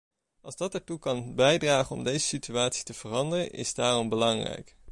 Alles dat er toe kan bijdragen om deze situatie te veranderen is daarom belangrijk.